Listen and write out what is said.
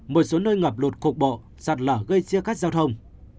một số nơi ngập lụt cục bộ sạt lở gây chia cắt giao thông